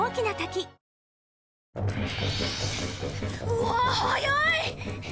うわ速い！